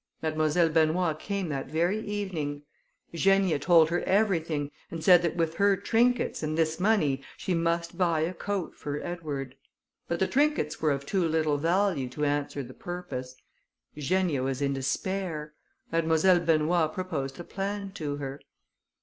Mademoiselle Benoît came that very evening. Eugenia told her everything, and said that with her trinkets and this money she must buy a coat for Edward; but the trinkets were of too little value to answer the purpose. Eugenia was in despair. Mademoiselle Benoît proposed a plan to her.